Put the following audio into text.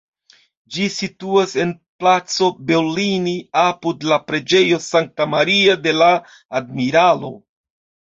Ĝi situas en Placo Bellini, apud la Preĝejo Sankta Maria de la Admiralo.